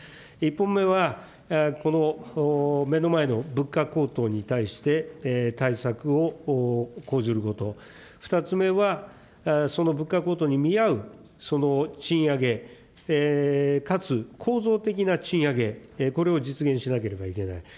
１本目は、この目の前の物価高騰に対して、対策を講ずること、２つ目は、その物価高騰に見合うその賃上げ、かつ構造的な賃上げ、これを実現しなければいけない。